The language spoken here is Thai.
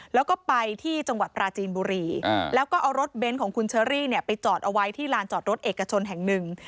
แล้วก็ไปที่จังหวัดปราจีนบุรีแล้วก็เอารถเบนท์ของคุณเชอรี่เนี่ยไปจอดเอาไว้ที่ลานจอดรถเอกชนแห่งหนึ่ง